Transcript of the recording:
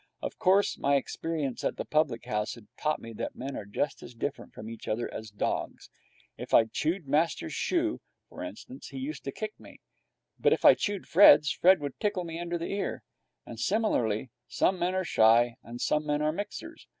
Of course, my experience at the public house had taught me that men are just as different from each other as dogs. If I chewed master's shoe, for instance, he used to kick me; but if I chewed Fred's, Fred would tickle me under the ear. And, similarly, some men are shy and some men are mixers.